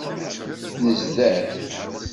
Nezder.